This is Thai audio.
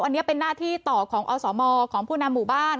อันนี้เป็นหน้าที่ต่อของอสมของผู้นำหมู่บ้าน